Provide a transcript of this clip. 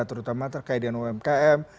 terutama terkait dengan umkm